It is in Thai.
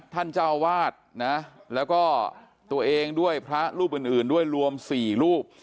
ท่านเจ้าวาดนะแล้วก็ตัวเองด้วยพระรูปอื่นด้วยรวม๔รูป